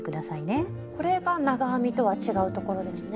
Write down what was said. これが長編みとは違うところですね。